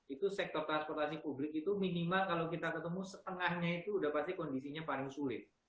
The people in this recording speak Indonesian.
itu sektor transportasi publik itu minimal kalau kita ketemu setengahnya itu sudah pasti kondisinya paling sulit